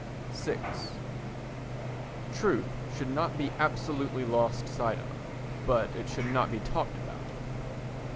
vi Truth should not be absolutely lost sight of, but it should not be talked about.